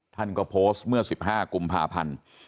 ท่านก็โพสต์เมื่อ๑๕กุมภาพันธ์